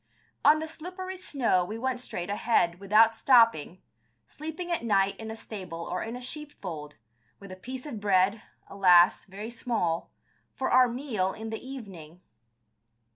On the slippery snow we went straight ahead, without stopping, sleeping at night in a stable or in a sheepfold, with a piece of bread, alas, very small, for our meal in the evening.